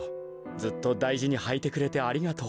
ずっとだいじにはいてくれてありがとう。